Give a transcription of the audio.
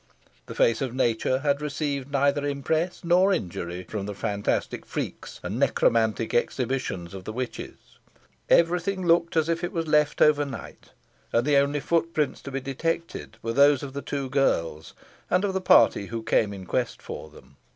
The face of nature had received neither impress nor injury from the fantastic freaks and necromantic exhibitions of the witches. Every thing looked as it was left overnight; and the only footprints to be detected were those of the two girls, and of the party who came in quest of them.